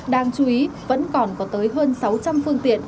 đáng chú ý vẫn còn có tới hơn sáu trăm linh phương tiện